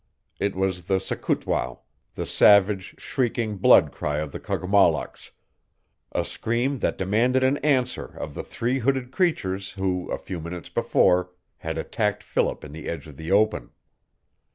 It was the sakootwow the savage, shrieking blood cry of the Kogmollocks, a scream that demanded an answer of the three hooded creatures who, a few minutes before, had attacked Philip in the edge of the open.